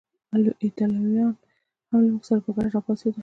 ایټالویان هم له موږ سره په ګډه راپاڅېدل.